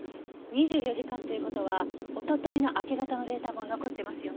２４時間という事はおとといの明け方のデータも残ってますよね？